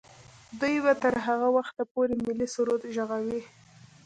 دوی به تر هغه وخته پورې ملي سرود ږغوي.